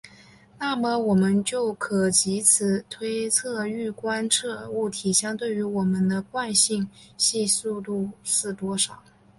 那么我们就可藉此推测欲观测物体相对于我们的惯性系的速度是多少。